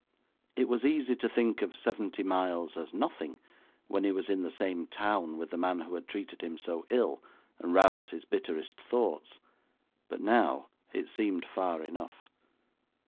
It was easy to think of seventy miles as nothing, when he was in the same town with the man who had treated him so ill and roused his bitterest thoughts; but now, it seemed far enough.